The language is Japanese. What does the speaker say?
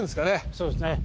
そうですね。